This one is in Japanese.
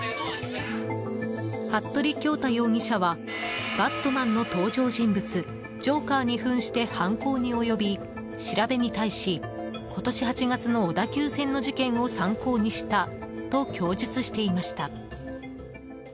服部恭太容疑者は「バットマン」の登場人物ジョーカーに扮して犯行に及び調べに対し今年８月の小田急線の事件を参考にしたと供述していました。